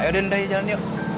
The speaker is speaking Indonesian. ayo udin udah aja jalan yuk